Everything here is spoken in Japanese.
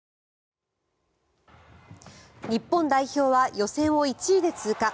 日本代表は予選を１位で通過。